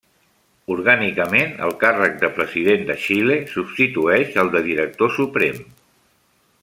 Orgànicament, el càrrec de President de Xile substitueix el de Director Suprem.